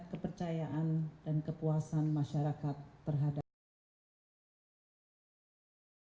kepercayaan dan kepuasan masyarakat terhadap